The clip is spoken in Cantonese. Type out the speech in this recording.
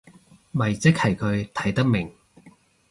咪即係佢睇得明